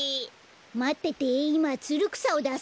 まってていまつるくさをだすから。